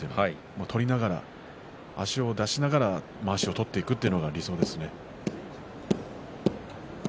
取りながら足を出しながらまわしを取っていくというのが理想ですね。